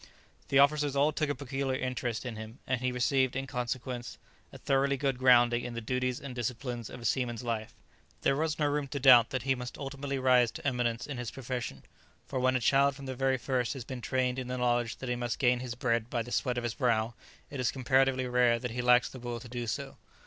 The officers all took a peculiar interest in him, and he received, in consequence, a thoroughly good grounding in the duties and discipline of a seaman's life. There was no room to doubt that he must ultimately rise to eminence in his profession, for when a child from the very first has been trained in the knowledge that he must gain his bread by the sweat of his brow, it is comparatively rare that he lacks the will to do so.